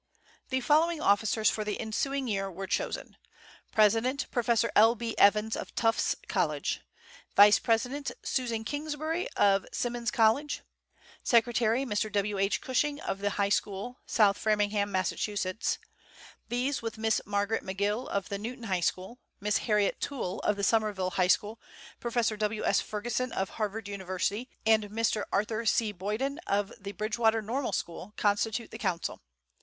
The following officers for the ensuing year were chosen: President, Professor L. B. Evans, of Tufts College; vice president, Professor Susan Kingsbury, of Simmons College; secretary, Mr. W. H. Cushing, of the high school, South Framingham, Mass. These, with Miss Margaret McGill, of the Newton High School; Miss Harriet Tuell, of the Somerville High School; Professor W. S. Ferguson, of Harvard University, and Mr. Arthur C. Boyden, of the Bridgewater Normal School, constitute the council.